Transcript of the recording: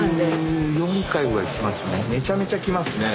めちゃめちゃ来ますね。